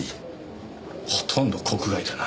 ほとんど国外だな。